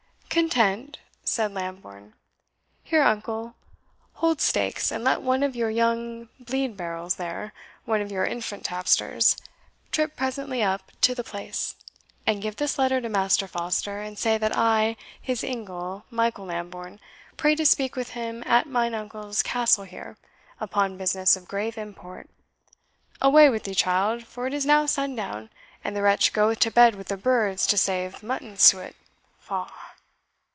"Content," said Lambourne. "Here, uncle, hold stakes, and let one of your young bleed barrels there one of your infant tapsters trip presently up to The Place, and give this letter to Master Foster, and say that I, his ingle, Michael Lambourne, pray to speak with him at mine uncle's castle here, upon business of grave import. Away with thee, child, for it is now sundown, and the wretch goeth to bed with the birds to save mutton suet faugh!"